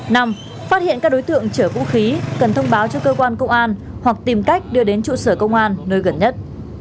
năm phát hiện các đối tượng chở vũ khí cần thông báo cho cơ quan công an hoặc tìm cách đưa đến trụ sở công an nơi gần nhất